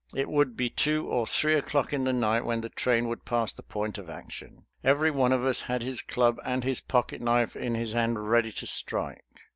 It would be two or three o'clock in the night when the train would pass the point of action. Every one of us had his club and his pocket knife in his hand ready to strike.